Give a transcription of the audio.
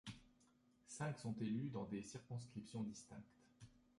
Cinq sont élus dans des circonscriptions distinctes.